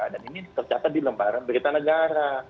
dan ini tercatat di lemparan berita negara